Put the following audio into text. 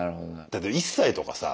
だって１歳とかさ